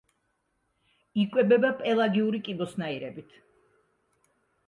იკვებება პელაგიური კიბოსნაირებით.